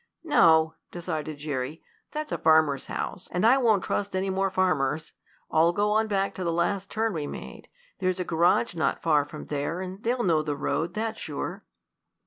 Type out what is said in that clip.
"No!" decided Jerry. "That's a farmer's house, and I won't trust any more farmers. I'll go on back to the last turn we made. There's a garage not far from there, and they'll know the road, that's sure."